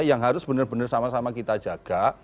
yang harus benar benar sama sama kita jaga